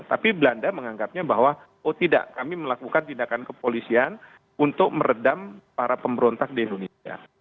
tapi belanda menganggapnya bahwa oh tidak kami melakukan tindakan kepolisian untuk meredam para pemberontak di indonesia